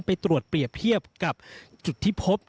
ไปตรวจเปรียบเทียบกับจุดที่พบ